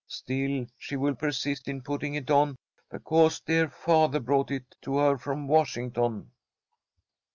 Still she will persist in putting it on because dear father brought it to her from Washington."